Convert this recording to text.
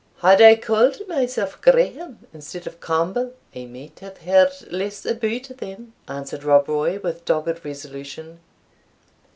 "Had I called myself Grahame, instead of Campbell, I might have heard less about them," answered Rob Roy, with dogged resolution.